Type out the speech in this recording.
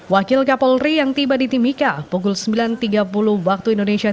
wakil kepala polri yang tiba di timika pukul sembilan tiga puluh waktu indonesia